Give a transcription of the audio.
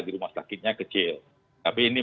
dirumah sakitnya kecil tapi ini